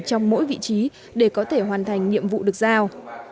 trong mỗi vị trí để có thể hoàn thành nhiệm vụ được giao